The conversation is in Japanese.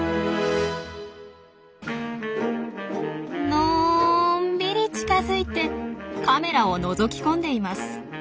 のんびり近づいてカメラをのぞき込んでいます。